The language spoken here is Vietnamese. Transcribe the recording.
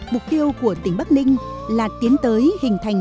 mục tiêu của tỉnh bắc ninh là tiến tới hình thành